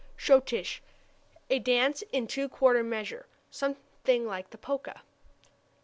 Schottische a dance in two quarter measure, something like the polka.